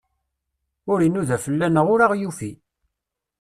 Ur inuda fell-aneɣ, ur aɣ-yufi.